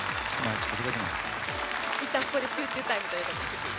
いったんここで集中タイムということで。